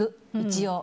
一応。